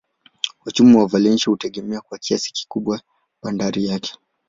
Uchumi wa Valencia hutegemea kwa kiasi kikubwa bandari yake.